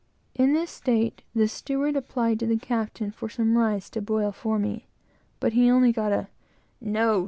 In this state, the steward applied to the captain for some rice to boil for me, but he only got a "No!